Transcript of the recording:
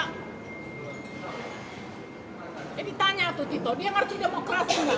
ini ditanya tuh tito dia ngerti demokrasi gak